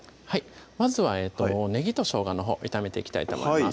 まずはねぎとしょうがのほう炒めていきたいと思います